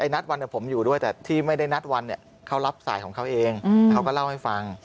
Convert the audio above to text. นัดวันผมอยู่ด้วยแต่ที่ไม่ได้นัดวันเนี่ยเขารับสายของเขาเองเขาก็เล่าให้ฟัง